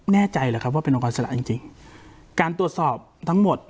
แน่ใจหรือครับว่าเป็นองค์อิสระจริงจริงการตรวจสอบทั้งหมด